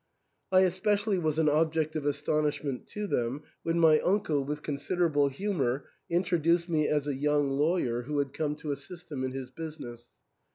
I especially was an ob ject of astonishment to them when my uncle, with con siderable humour, introduced me as a young lawyer who liad come to assist him in his business.